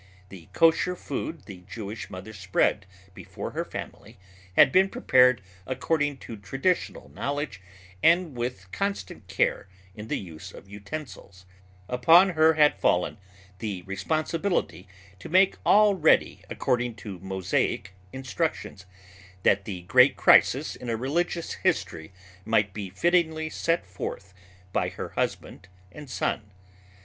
The kosher food the Jewish mother spread before her family had been prepared according to traditional knowledge and with constant care in the use of utensils; upon her had fallen the responsibility to make all ready according to Mosaic instructions that the great crisis in a religious history might be fittingly set forth by her husband and son.